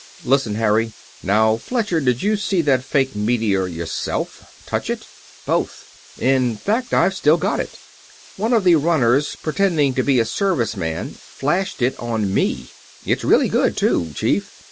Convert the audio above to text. Listen, Harry. Now, Fletcher, did you see that fake meteor yourself? Touch it?" "Both. In fact, I've still got it. One of the runners, pretending to be a Service man, flashed it on me. It's really good, too, Chief.